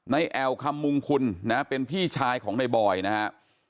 แอวคำมงคุณนะเป็นพี่ชายของในบอยนะฮะ